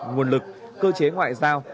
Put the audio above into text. nguồn lực cơ chế ngoại giao